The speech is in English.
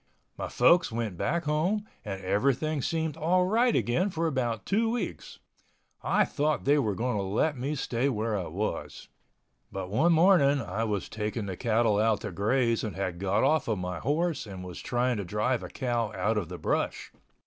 My folks went back home and everything seemed all right again for about two weeks. I thought they were going to let me stay where I was. But one morning I was taking the cattle out to graze and had got off of my horse and was trying to drive a cow out of the brush.